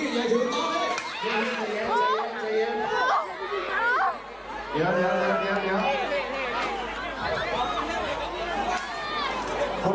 เดี๋ยวเดี๋ยวเดี๋ยวเดี๋ยวเดี๋ยวเดี๋ยวเดี๋ยวเดี๋ยว